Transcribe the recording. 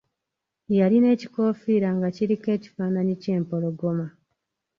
Yalina ekikoofiira nga kiriko ekifaananyi ky’empologoma.